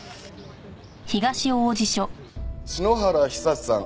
篠原久志さん